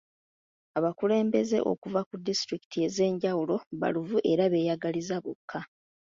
Abakulembeze okuva ku disitulikiti ez'enjawulo baluvu era beeyagaliza bokka.